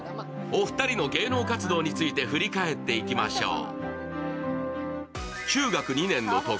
お二人の芸能活動について振り返っていきましょう。